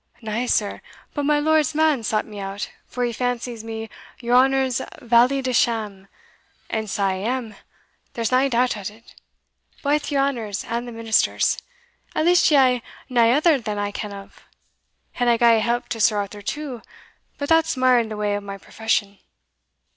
"Na, sir, but my lord's man sought me out, for he fancies me your honour's valley de sham, and sae I am, there's nae doubt o't, baith your honour's and the minister's at least ye hae nae other that I ken o' and I gie a help to Sir Arthur too, but that's mair in the way o' my profession."